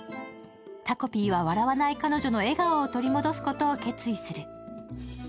タコピーは笑わない彼女の笑顔を取り戻すことを決意する。